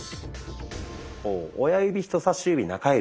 こう親指人さし指中指